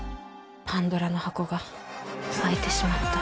パンドラの箱が開いてしまった。